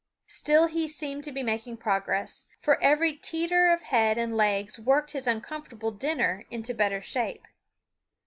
Still he seemed to be making progress, for every teeter of head and legs worked his uncomfortable dinner into better shape.